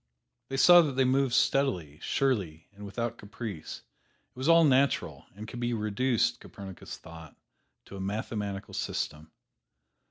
They saw that they moved steadily, surely and without caprice. It was all natural, and could be reduced, Copernicus thought, to a mathematical system.